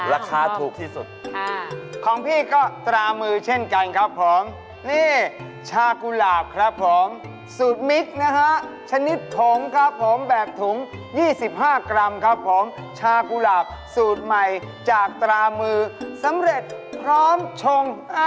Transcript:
ราคาถูกที่สุดของพี่ก็ตรามือเช่นกันครับผมนี่ชากุหลาบครับผมสูตรมิกนะฮะชนิดผงครับผมแบบถุง๒๕กรัมครับผมชากุหลาบสูตรใหม่จากตรามือสำเร็จพร้อมชง